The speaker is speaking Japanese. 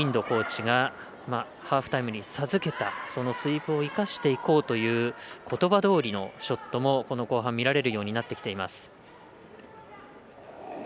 コーチがハーフタイムに授けたそのスイープを生かしていこうということばどおりのショットもこの後半、見られるようになってきています。